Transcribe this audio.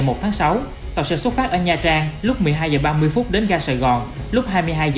ngày một tháng sáu tàu sẽ xuất phát ở nha trang lúc một mươi hai h ba mươi đến ga sài gòn lúc hai mươi hai h